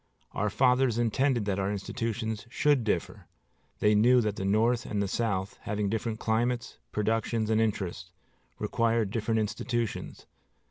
Our fathers intended that our institutions should differ. They knew that the North and the South, having different climates, productions, and interests, required different institutions.